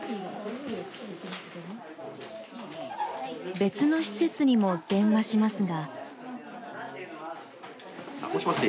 別の施設にも電話しますが。